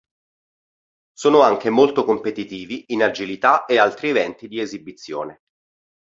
Sono anche molto competitivi in agilità e altri eventi di esibizione.